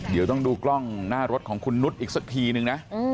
เดี๋ยวต้องดูกล้องหน้ารถของคุณนุษย์อีกสักทีนึงนะ